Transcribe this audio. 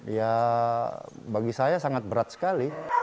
ya bagi saya sangat berat sekali